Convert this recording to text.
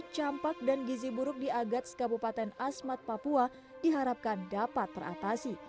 campak dan gizi buruk di agats kabupaten asmat papua diharapkan dapat teratasi